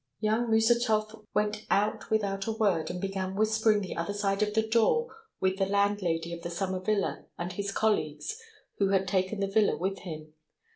Young Musatov went out without a word, and began whispering the other side of the door with the landlady of the summer villa and his colleagues who had taken the villa with him.